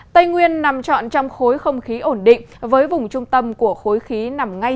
tây nguyên nằm trọn trong khối không khí ổn định với vùng trung tâm của khối khí nằm ngay